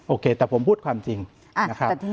โอเคแต่ผมพูดความจริงนะครับ